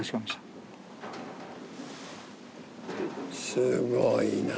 すごいな。